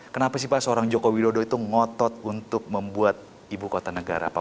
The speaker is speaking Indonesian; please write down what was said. kenapa sih pak seorang joko widodo itu ngotot untuk membuat ibu kota negara pak